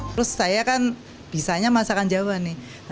terus saya kan bisanya masakan jawa nih